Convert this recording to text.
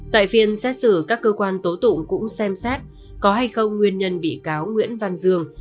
tại phiên xét xử các cơ quan tố tụng cũng xem xét có hay không nguyên nhân bị cáo nguyễn văn dương